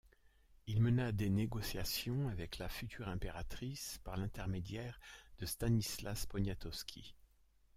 Il mena des négociations avec la future impératrice par l'intermédiaire de Stanislas Poniatowski.